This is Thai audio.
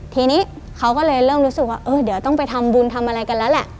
ทีนี้เขาก็เลยเริ่มรู้สึกว่าเออเดี๋ยวต้องไปทำบุญทำอะไรกันแล้วแหละ